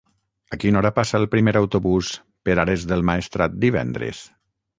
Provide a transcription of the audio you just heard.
A quina hora passa el primer autobús per Ares del Maestrat divendres?